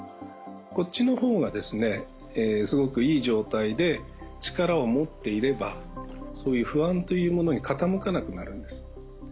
こっちのほうがですねすごくいい状態で力を持っていればそういう不安というものに傾かなくなるんです。